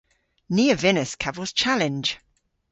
Ni a vynnas kavos chalenj.